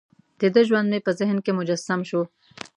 دده ژوند مې په ذهن کې مجسم شو.